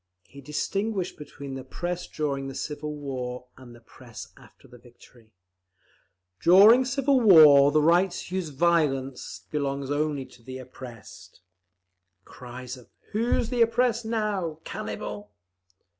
He distinguished between the Press during the civil war, and the Press after the victory. "During civil war the right to use violence belongs only to the oppressed…." (Cries of "Who's the oppressed now? Cannibal!").